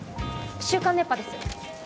『週刊熱波』です。